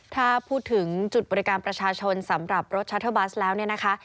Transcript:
ถ้าพูดถึงจุดบริการประชาชนสำหรับรถชัตเทอร์บัสแล้วเนี่ยนะคะ